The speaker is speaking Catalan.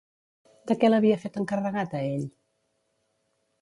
De què l'havia fet encarregat a ell?